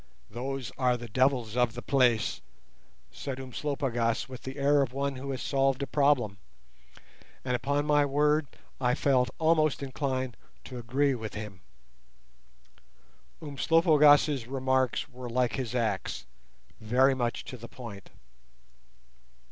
"Those are the devils of the place," said Umslopogaas with the air of one who has solved a problem, and upon my word I felt almost inclined to agree with him. Umslopogaas' remarks were like his axe—very much to the point.